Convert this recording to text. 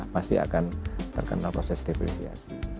pasti akan terkena proses depresiasi